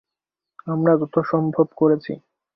আমরা যথাসম্ভব করছি।